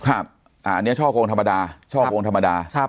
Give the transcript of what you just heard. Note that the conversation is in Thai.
อันนี้ช่อกงงธรรมดา